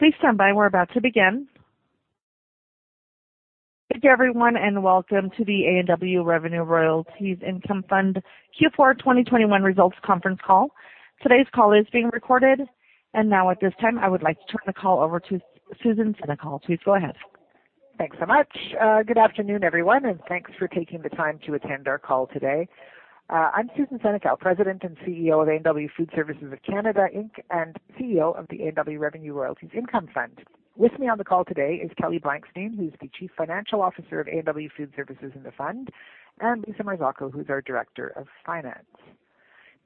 Please stand by. We're about to begin. Thank you, everyone, and welcome to the A&W Revenue Royalties Income Fund Q4 2021 Results Conference Call. Today's call is being recorded. Now at this time, I would like to turn the call over to Susan Senecal. Please go ahead. Thanks so much. Good afternoon, everyone, and thanks for taking the time to attend our call today. I'm Susan Senecal, President and CEO of A&W Food Services of Canada Inc., and CEO of the A&W Revenue Royalties Income Fund. With me on the call today is Kelly Blankstein, who's the Chief Financial Officer of A&W Food Services in the fund, and Lisa Marzocca, who's our Director of Finance.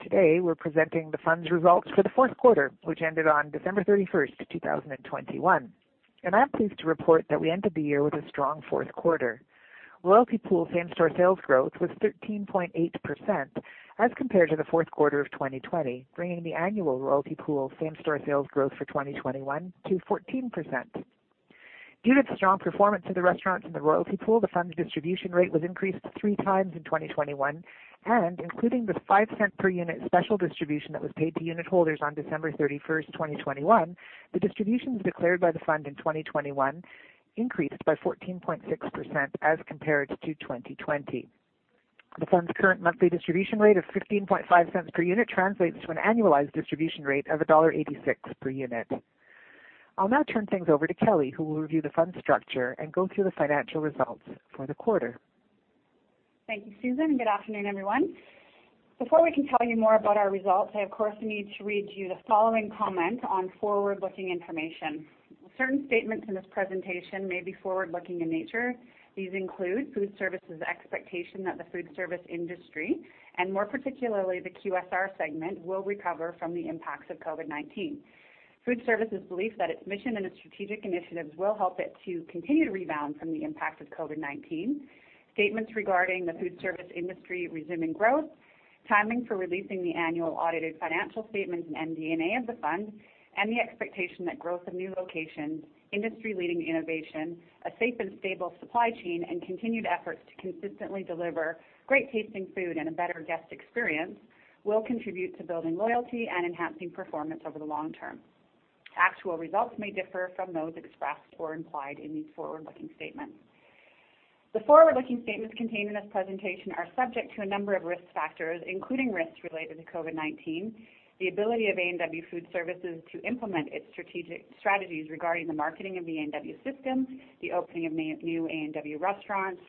Today, we're presenting the fund's results for the fourth quarter, which ended on December 31, 2021. I'm pleased to report that we ended the year with a strong fourth quarter. Royalty Pool same-store sales growth was 13.8% as compared to the fourth quarter of 2020, bringing the annual Royalty Pool same-store sales growth for 2021 to 14%. Due to the strong performance of the restaurants in the Royalty Pool, the fund's distribution rate was increased three times in 2021, and including the 0.05 per unit special distribution that was paid to unitholders on December 31, 2021, the distributions declared by the fund in 2021 increased by 14.6% as compared to 2020. The fund's current monthly distribution rate of 0.155 per unit translates to an annualized distribution rate of dollar 1.86 per unit. I'll now turn things over to Kelly, who will review the fund structure and go through the financial results for the quarter. Thank you, Susan. Good afternoon, everyone. Before we can tell you more about our results, I of course need to read you the following comment on forward-looking information. Certain statements in this presentation may be forward-looking in nature. These include Food Services' expectation that the food service industry, and more particularly the QSR segment, will recover from the impacts of COVID-19. Food Services' belief that its mission and its strategic initiatives will help it to continue to rebound from the impact of COVID-19, statements regarding the food service industry resuming growth, timing for releasing the annual audited financial statements and MD&A of the Fund, and the expectation that growth of new locations, industry-leading innovation, a safe and stable supply chain, and continued efforts to consistently deliver great-tasting food and a better guest experience will contribute to building loyalty and enhancing performance over the long term. Actual results may differ from those expressed or implied in these forward-looking statements. The forward-looking statements contained in this presentation are subject to a number of risk factors, including risks related to COVID-19, the ability of A&W Food Services to implement its strategic strategies regarding the marketing of the A&W system, the opening of new A&W restaurants,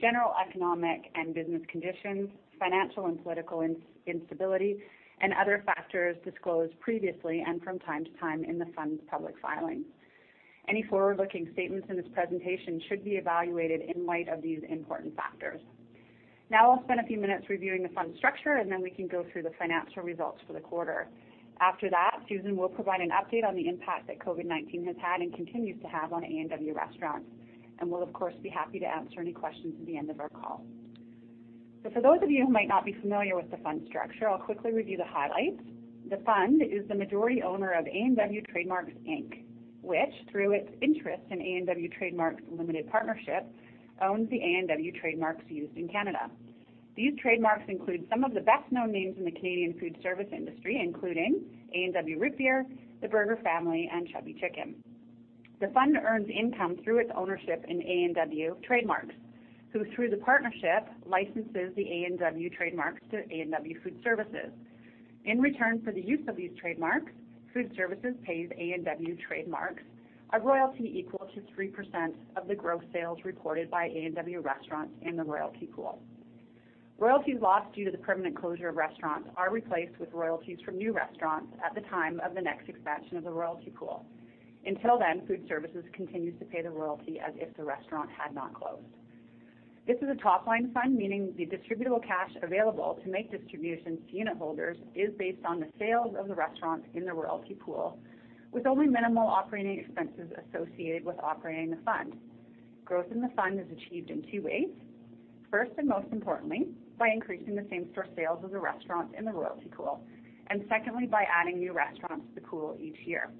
general economic and business conditions, financial and political instability, and other factors disclosed previously and from time to time in the Fund's public filings. Any forward-looking statements in this presentation should be evaluated in light of these important factors. Now I'll spend a few minutes reviewing the Fund's structure, and then we can go through the financial results for the quarter. After that, Susan will provide an update on the impact that COVID-19 has had and continues to have on A&W Restaurants, and we'll of course, be happy to answer any questions at the end of our call. For those of you who might not be familiar with the Fund structure, I'll quickly review the highlights. The Fund is the majority owner of A&W Trade Marks Inc, which, through its interest in A&W Trade Marks Limited Partnership, owns the A&W trademarks used in Canada. These trademarks include some of the best-known names in the Canadian food service industry, including A&W Root Beer, The Burger Family, and Chubby Chicken. The Fund earns income through its ownership in A&W Trade Marks, who, through the partnership, licenses the A&W trademarks to A&W Food Services. In return for the use of these trademarks, Food Services pays A&W Trade Marks a royalty equal to 3% of the gross sales reported by A&W Restaurants in the Royalty Pool. Royalties lost due to the permanent closure of restaurants are replaced with royalties from new restaurants at the time of the next expansion of the Royalty Pool. Until then, Food Services continues to pay the royalty as if the restaurant had not closed. This is a top-line fund, meaning the distributable cash available to make distributions to unitholders is based on the sales of the restaurants in the Royalty Pool, with only minimal operating expenses associated with operating the fund. Growth in the Fund is achieved in two ways, first, and most importantly, by increasing the same-store sales of the restaurants in the Royalty Pool, and secondly, by adding new restaurants to the pool each year.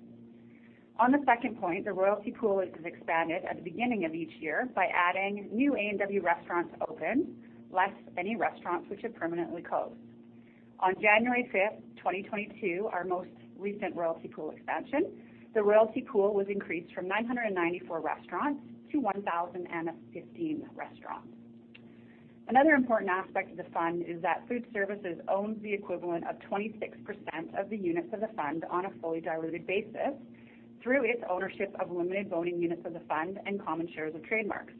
On the second point, the royalty pool is expanded at the beginning of each year by adding new A&W restaurants opened, less any restaurants which have permanently closed. On January 5, 2022, our most recent royalty pool expansion, the royalty pool was increased from 994 restaurants to 1,015 restaurants. Another important aspect of the Fund is that Food Services owns the equivalent of 26% of the units of the Fund on a fully diluted basis through its ownership of limited voting units of the Fund and common shares of Trade Marks,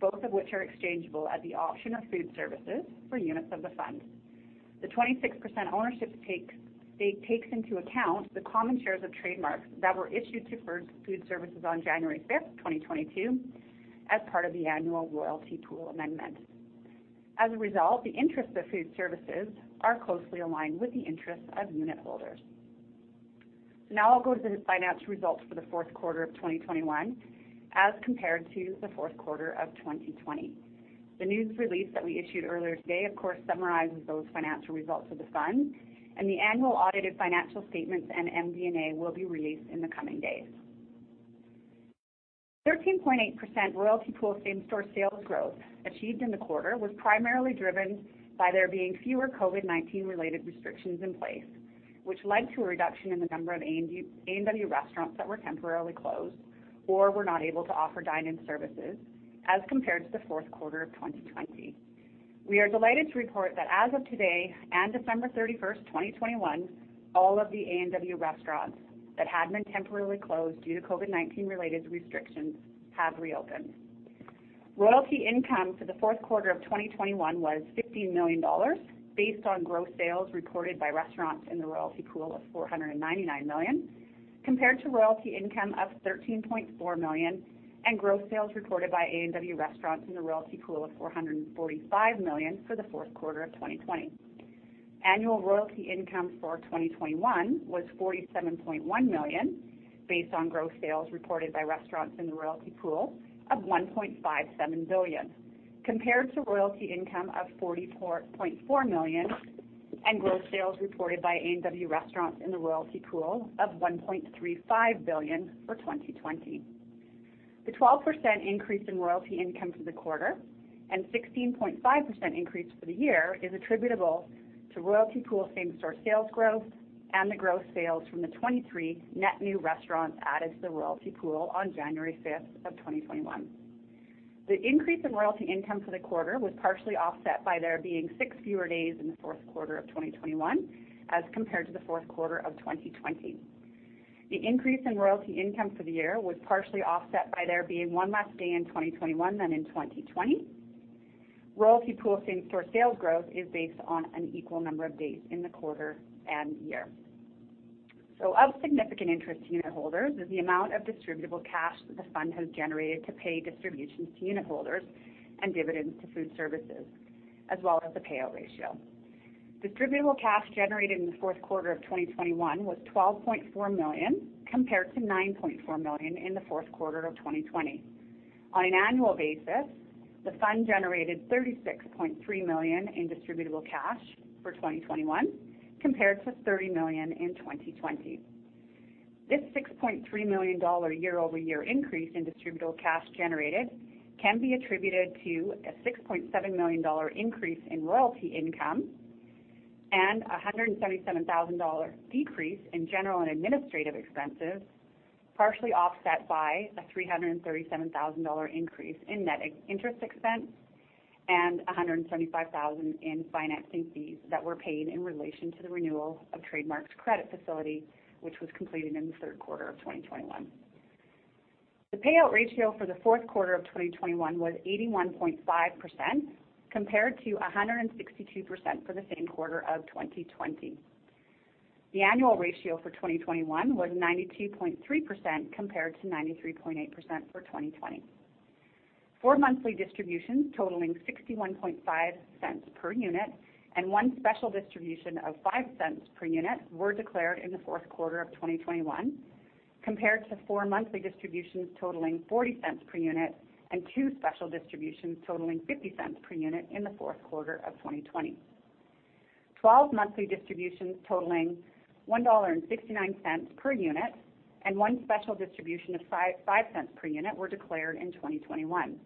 both of which are exchangeable at the option of Food Services for units of the Fund. The 26% ownership stake takes into account the common shares of Trade Marks that were issued to Food Services on January 5, 2022, as part of the annual Royalty Pool amendment. As a result, the interests of FoodServices are closely aligned with the interests of unitholders. Now I'll go to the financial results for the fourth quarter of 2021 as compared to the fourth quarter of 2020. The news release that we issued earlier today, of course, summarizes those financial results of the Fund, and the annual audited financial statements and MD&A will be released in the coming days. 13.8% Royalty Pool same-store sales growth achieved in the quarter was primarily driven by there being fewer COVID-19 related restrictions in place, which led to a reduction in the number of A&W restaurants that were temporarily closed or were not able to offer dine-in services as compared to the fourth quarter of 2020. We are delighted to report that as of today and December 31, 2021, all of the A&W restaurants that had been temporarily closed due to COVID-19 related restrictions have reopened. Royalty income for the fourth quarter of 2021 was 15 million dollars based on gross sales reported by restaurants in the Royalty Pool of 499 million, compared to royalty income of 13.4 million and gross sales reported by A&W restaurants in the Royalty Pool of 445 million for the fourth quarter of 2020. Annual royalty income for 2021 was 47.1 million based on gross sales reported by restaurants in the Royalty Pool of 1.57 billion, compared to royalty income of 44.4 million and gross sales reported by A&W Restaurants in the Royalty Pool of 1.35 billion for 2020. The 12% increase in royalty income for the quarter and 16.5% increase for the year is attributable to Royalty Pool same-store sales growth and the gross sales from the 23 net new restaurants added to the Royalty Pool on January 5, 2021. The increase in royalty income for the quarter was partially offset by there being six fewer days in the fourth quarter of 2021 as compared to the fourth quarter of 2020. The increase in royalty income for the year was partially offset by there being one less day in 2021 than in 2020. Royalty Pool same-store sales growth is based on an equal number of days in the quarter and year. Of significant interest to unitholders is the amount of distributable cash that the fund has generated to pay distributions to unitholders and dividends to Food Services, as well as the payout ratio. Distributable cash generated in the fourth quarter of 2021 was 12.4 million, compared to 9.4 million in the fourth quarter of 2020. On an annual basis, the fund generated 36.3 million in distributable cash for 2021, compared to 30 million in 2020. This 6.3 million dollar year-over-year increase in distributable cash generated can be attributed to a 6.7 million dollar increase in royalty income and a 177,000 dollar decrease in general and administrative expenses, partially offset by a 337,000 dollar increase in net interest expense and 175,000 in financing fees that were paid in relation to the renewal of A&W Trade Marks' credit facility, which was completed in the third quarter of 2021. The payout ratio for the fourth quarter of 2021 was 81.5%, compared to 162% for the same quarter of 2020. The annual ratio for 2021 was 92.3% compared to 93.8% for 2020. Four monthly distributions totaling 0.615 per unit and one special distribution of 0.05 per unit were declared in the fourth quarter of 2021, compared to four monthly distributions totaling 0.40 per unit and two special distributions totaling 0.50 per unit in the fourth quarter of 2020. 12 monthly distributions totaling 1.69 dollar per unit and one special distribution of 0.05 per unit were declared in 2021,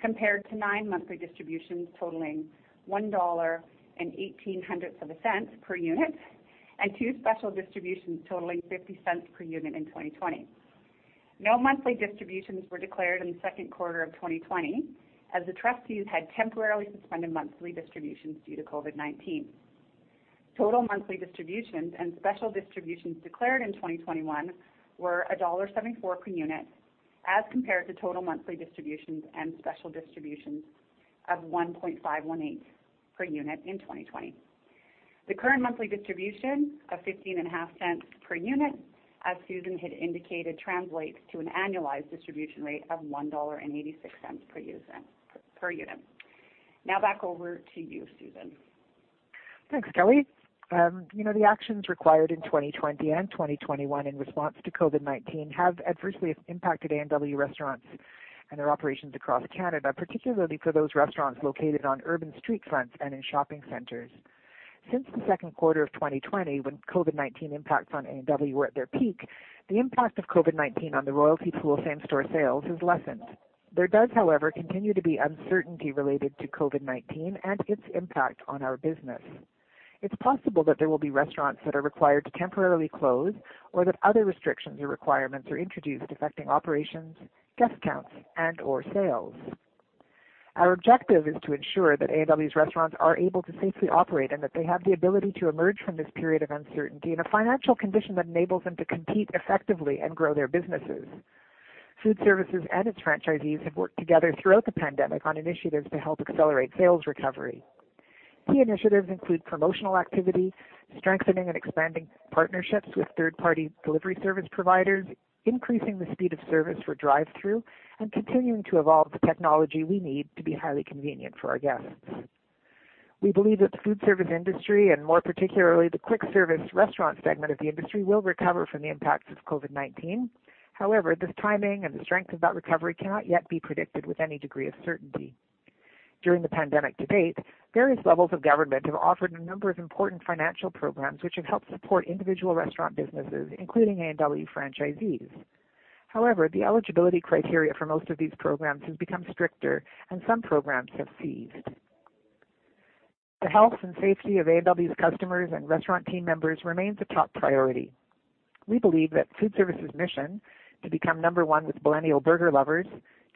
compared to nine monthly distributions totaling 1.18 dollar per unit and two special distributions totaling 0.50 per unit in 2020. No monthly distributions were declared in the second quarter of 2020, as the trustees had temporarily suspended monthly distributions due to COVID-19. Total monthly distributions and special distributions declared in 2021 were dollar 1.74 per unit, as compared to total monthly distributions and special distributions of 1.518 per unit in 2020. The current monthly distribution of 0.155 per unit, as Susan had indicated, translates to an annualized distribution rate of 1.86 dollar per unit. Now back over to you, Susan. Thanks, Kelly. The actions required in 2020 and 2021 in response to COVID-19 have adversely impacted A&W Restaurants and their operations across Canada, particularly for those restaurants located on urban street fronts and in shopping centers. Since the second quarter of 2020, when COVID-19 impacts on A&W were at their peak, the impact of COVID-19 on the Royalty Pool same-store sales has lessened. There does, however, continue to be uncertainty related to COVID-19 and its impact on our business. It's possible that there will be restaurants that are required to temporarily close, or that other restrictions or requirements are introduced affecting operations, guest counts, and/or sales. Our objective is to ensure that A&W's restaurants are able to safely operate and that they have the ability to emerge from this period of uncertainty in a financial condition that enables them to compete effectively and grow their businesses. Food Services and its franchisees have worked together throughout the pandemic on initiatives to help accelerate sales recovery. Key initiatives include promotional activity, strengthening and expanding partnerships with third-party delivery service providers, increasing the speed of service for drive-thru, and continuing to evolve the technology we need to be highly convenient for our guests. We believe that the food service industry, and more particularly, the quick service restaurant segment of the industry, will recover from the impacts of COVID-19. However, the timing and the strength of that recovery cannot yet be predicted with any degree of certainty. During the pandemic to date, various levels of government have offered a number of important financial programs, which have helped support individual restaurant businesses, including A&W franchisees. However, the eligibility criteria for most of these programs has become stricter, and some programs have ceased. The health and safety of A&W's customers and restaurant team members remains a top priority. We believe that Food Services' mission to become number one with millennial burger lovers,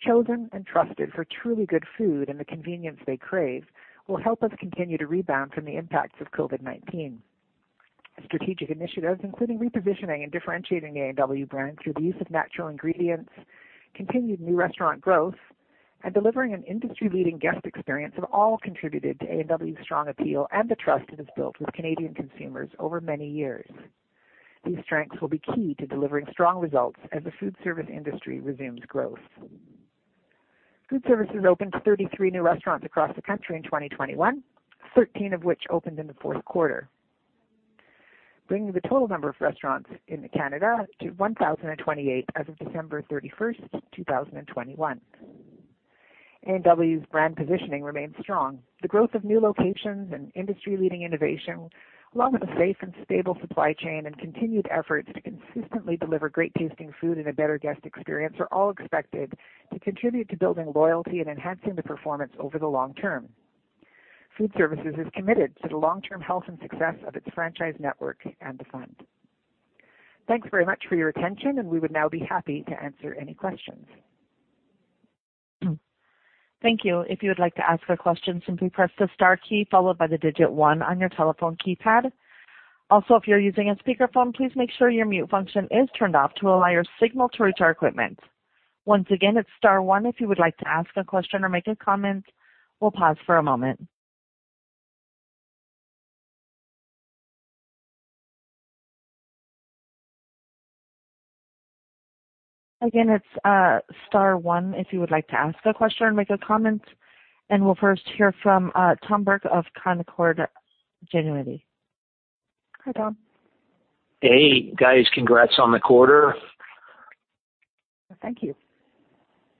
chosen and trusted for truly good food and the convenience they crave, will help us continue to rebound from the impacts of COVID-19. Strategic initiatives, including repositioning and differentiating the A&W brand through the use of natural ingredients, continued new restaurant growth, and delivering an industry-leading guest experience, have all contributed to A&W's strong appeal and the trust it has built with Canadian consumers over many years. These strengths will be key to delivering strong results as the food service industry resumes growth. Food Services opened 33 new restaurants across the country in 2021, 13 of which opened in the fourth quarter, bringing the total number of restaurants in Canada to 1,028 as of December 31, 2021. A&W's brand positioning remains strong. The growth of new locations and industry-leading innovation, along with a safe and stable supply chain and continued efforts to consistently deliver great tasting food and a better guest experience, are all expected to contribute to building loyalty and enhancing the performance over the long term. Food Services is committed to the long-term health and success of its franchise network and the fund. Thanks very much for your attention, and we would now be happy to answer any questions. Thank you. If you would like to ask a question, simply press the star key followed by the digit one on your telephone keypad. Also, if you're using a speakerphone, please make sure your mute function is turned off to allow your signal to reach our equipment. Once again, it's star one if you would like to ask a question or make a comment. We'll pause for a moment. Again, it's star one if you would like to ask a question or make a comment. We'll first hear from Tom Burke of Canaccord Genuity. Hi, Tom. Hey, guys. Congrats on the quarter. Thank you.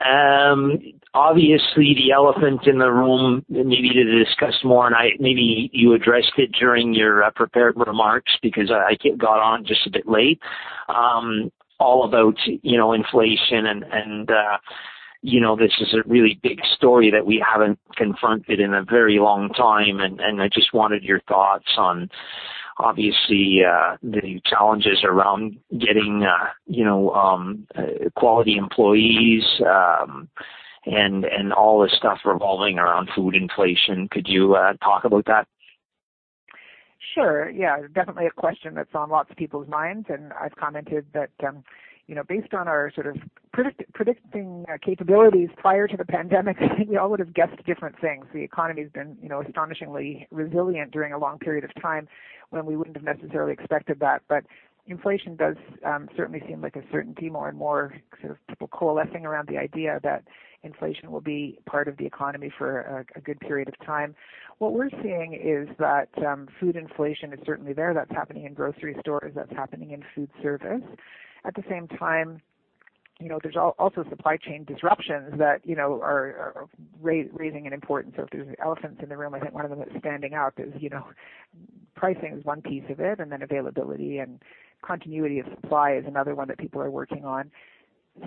Obviously, the elephant in the room needed to discuss more, and maybe you addressed it during your prepared remarks because I got on just a bit late, all about, you know, inflation and, you know, this is a really big story that we haven't confronted in a very long time, and I just wanted your thoughts on, obviously, the challenges around getting, you know, quality employees, and all the stuff revolving around food inflation. Could you talk about that? Sure. Yeah, definitely a question that's on lots of people's minds, and I've commented that, you know, based on our sort of predicting capabilities prior to the pandemic, we all would have guessed different things. The economy's been, you know, astonishingly resilient during a long period of time when we wouldn't have necessarily expected that. Inflation does certainly seem like a certainty, more and more sort of people coalescing around the idea that inflation will be part of the economy for a good period of time. What we're seeing is that food inflation is certainly there. That's happening in grocery stores. That's happening in food service. At the same time, you know, there's also supply chain disruptions that, you know, are raising in importance. If there's elephants in the room, I think one of them that's standing out is, you know, pricing is one piece of it, and then availability and continuity of supply is another one that people are working on.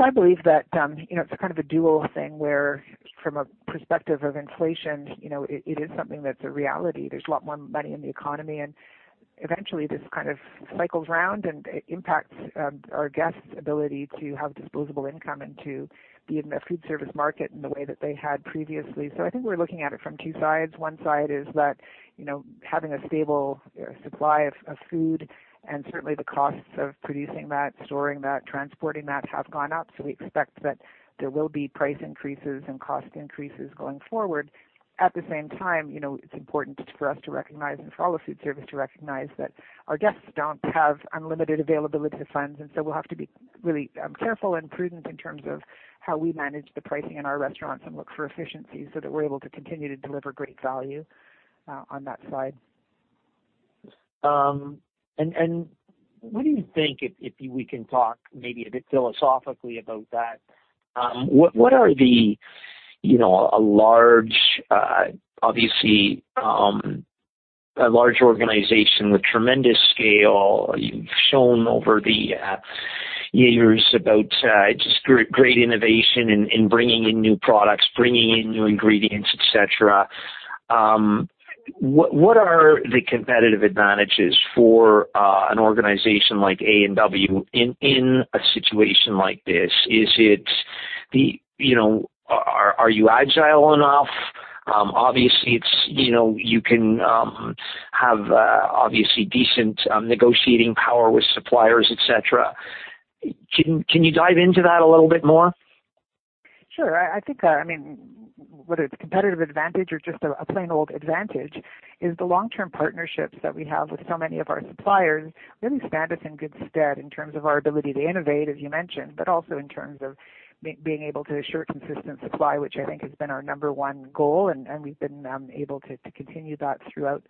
I believe that, you know, it's kind of a dual thing, where from a perspective of inflation, you know, it is something that's a reality. There's a lot more money in the economy, and eventually this kind of cycles round, and it impacts our guests' ability to have disposable income and to be in the food service market in the way that they had previously. I think we're looking at it from two sides. One side is that, you know, having a stable supply of food and certainly the costs of producing that, storing that, transporting that have gone up, so we expect that there will be price increases and cost increases going forward. At the same time, you know, it's important for us to recognize and for all of food service to recognize that our guests don't have unlimited availability of funds, and so we'll have to be really careful and prudent in terms of how we manage the pricing in our restaurants and look for efficiencies so that we're able to continue to deliver great value on that side. What do you think if we can talk maybe a bit philosophically about that, what are the, you know, a large obviously a large organization with tremendous scale, you've shown over the years about just great innovation in bringing in new products, bringing in new ingredients, et cetera. What are the competitive advantages for an organization like A&W in a situation like this? Is it the, you know. Are you agile enough? Obviously it's, you know, you can have obviously decent negotiating power with suppliers, et cetera. Can you dive into that a little bit more? Sure. I think, I mean, whether it's competitive advantage or just a plain old advantage is the long-term partnerships that we have with so many of our suppliers really stand us in good stead in terms of our ability to innovate, as you mentioned, but also in terms of being able to assure consistent supply, which I think has been our number one goal, and we've been able to continue that throughout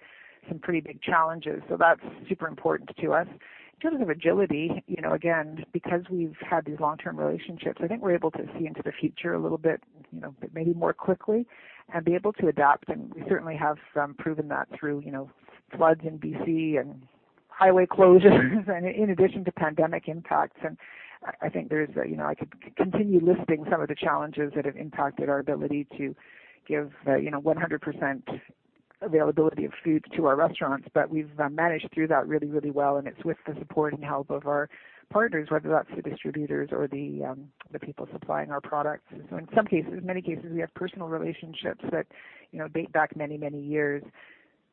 some pretty big challenges. That's super important to us. In terms of agility, you know, again, because we've had these long-term relationships, I think we're able to see into the future a little bit, you know, maybe more quickly and be able to adapt, and we certainly have proven that through, you know, floods in B.C. and highway closures and in addition to pandemic impacts, and I think there's a, you know, I could continue listing some of the challenges that have impacted our ability to give 100% availability of foods to our restaurants, but we've managed through that really, really well, and it's with the support and help of our partners, whether that's the distributors or the people supplying our products. In some cases, many cases, we have personal relationships that, you know, date back many, many years.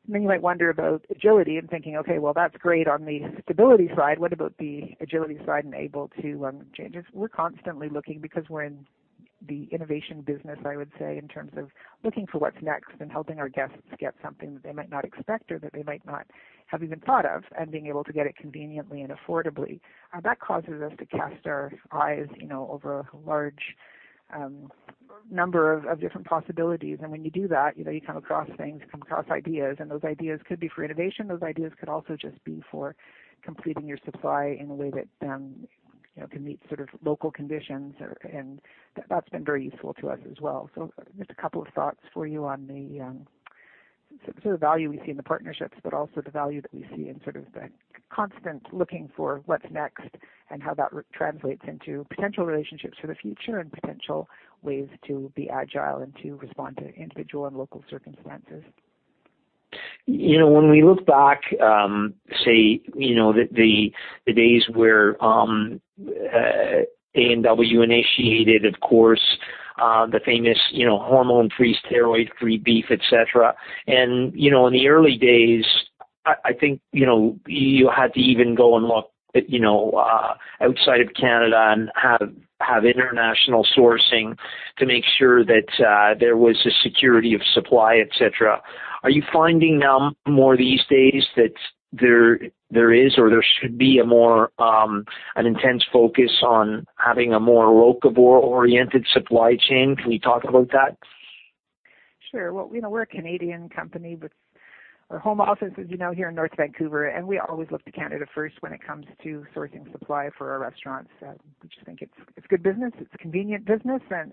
You might wonder about agility and thinking, "Okay, well, that's great on the stability side. What about the agility side and able to changes?" We're constantly looking because we're in the innovation business, I would say, in terms of looking for what's next and helping our guests get something that they might not expect or that they might not have even thought of, and being able to get it conveniently and affordably. That causes us to cast our eyes, you know, over a large number of different possibilities. When you do that, you know, you come across things, you come across ideas, and those ideas could be for innovation. Those ideas could also just be for completing your supply in a way that you know can meet sort of local conditions, and that's been very useful to us as well. Just a couple of thoughts for you on the, sort of value we see in the partnerships, but also the value that we see in sort of the constant looking for what's next and how that translates into potential relationships for the future and potential ways to be agile and to respond to individual and local circumstances. You know, when we look back, say, you know, the days where A&W initiated, of course, the famous, you know, hormone-free, steroid-free beef, et cetera. You know, in the early days, I think, you know, you had to even go and look, you know, outside of Canada and have international sourcing to make sure that there was a security of supply, et cetera. Are you finding now more these days that there is, or there should be a more, an intense focus on having a more locavore-oriented supply chain? Can we talk about that? Sure. Well, you know, we're a Canadian company, but our home office is, you know, here in North Vancouver, and we always look to Canada first when it comes to sourcing supply for our restaurants. We just think it's good business, it's convenient business, and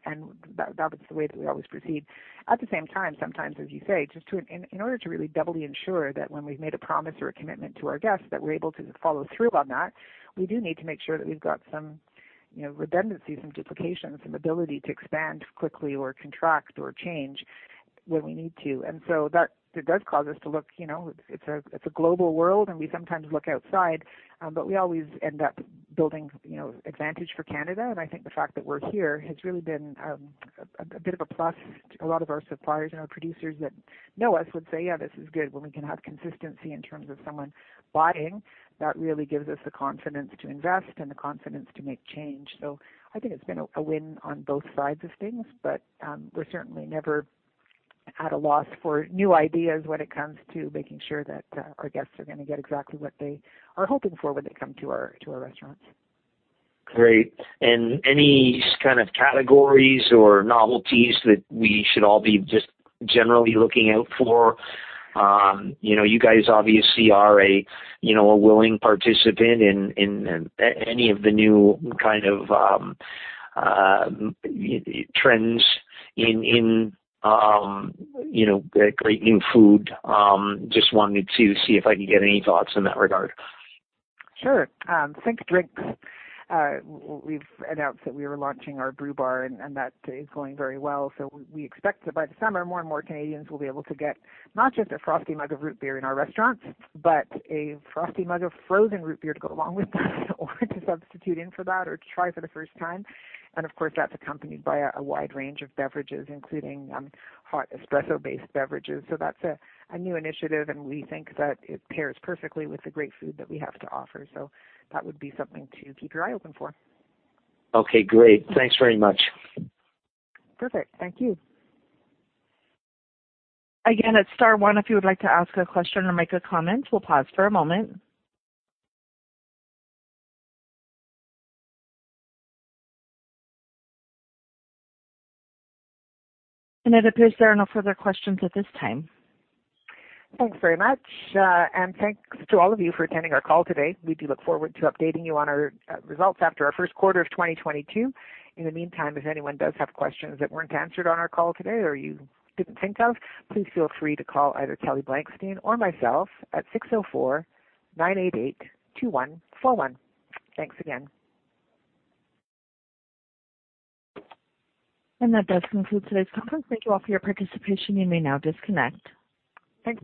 that was the way that we always proceed. At the same time, sometimes, as you say, in order to really doubly ensure that when we've made a promise or a commitment to our guests, that we're able to follow through on that, we do need to make sure that we've got some, you know, redundancies and duplications and ability to expand quickly or contract or change when we need to. It does cause us to look, you know, it's a global world, and we sometimes look outside, but we always end up building, you know, advantage for Canada. I think the fact that we're here has really been a bit of a plus to a lot of our suppliers and our producers that know us would say, "Yeah, this is good. When we can have consistency in terms of someone buying, that really gives us the confidence to invest and the confidence to make change." I think it's been a win on both sides of things, but we're certainly never at a loss for new ideas when it comes to making sure that our guests are gonna get exactly what they are hoping for when they come to our restaurants. Great. Any kind of categories or novelties that we should all be just generally looking out for? You know, you guys obviously are a you know, a willing participant in any of the new kind of trends in you know, great new food. Just wanted to see if I could get any thoughts in that regard. Sure. Think drinks. We've announced that we are launching our Brew Bar and that is going very well. We expect that by the summer, more and more Canadians will be able to get not just a frosty mug of root beer in our restaurants, but a frosty mug of frozen root beer to go along with that or to substitute in for that or to try for the first time. Of course, that's accompanied by a wide range of beverages, including hot espresso-based beverages. That's a new initiative, and we think that it pairs perfectly with the great food that we have to offer. That would be something to keep your eye open for. Okay, great. Thanks very much. Perfect. Thank you. Again, it's star one if you would like to ask a question or make a comment. We'll pause for a moment. It appears there are no further questions at this time. Thanks very much. Thanks to all of you for attending our call today. We do look forward to updating you on our results after our first quarter of 2022. In the meantime, if anyone does have questions that weren't answered on our call today or you didn't think of, please feel free to call either Kelly Blankstein or myself at 604-988-2141. Thanks again. That does conclude today's conference. Thank you all for your participation. You may now disconnect. Thanks.